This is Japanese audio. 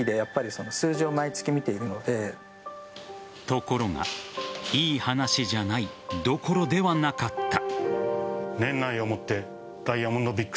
ところがいい話じゃないどころではなかった。